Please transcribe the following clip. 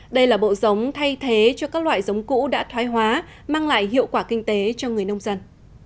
đây là bộ giống thay thế cho các loại giống cũ đã thoái hóa mang lại hiệu quả kinh tế cho người nông dân